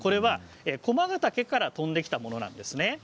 駒ヶ岳から飛んできたものです。